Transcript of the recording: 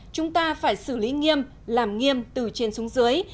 chúng ta phải xử lý nghiêm làm nghiêm từ trên xuống dưới